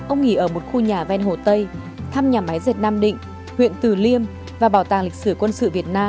ông nghỉ ở một khu nhà ven hồ tây thăm nhà máy dệt nam định huyện từ liêm và bảo tàng lịch sử quân sự việt nam